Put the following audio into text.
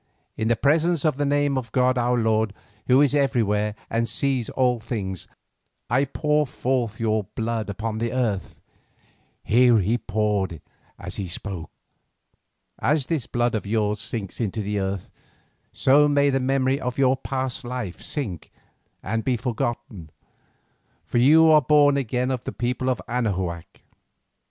In the presence and the name of god our lord, who is everywhere and sees all things, I pour forth your blood upon the earth!" (here he poured as he spoke). "As this blood of yours sinks into the earth, so may the memory of your past life sink and be forgotten, for you are born again of the people of Anahuac.